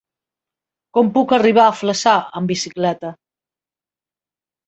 Com puc arribar a Flaçà amb bicicleta?